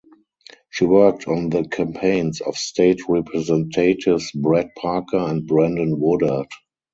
She worked on the campaigns of state representatives Brett Parker and Brandon Woodard.